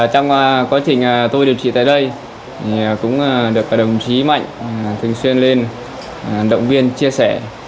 trong quá trình tôi điều trị tại đây cũng được đồng chí mạnh thường xuyên lên động viên chia sẻ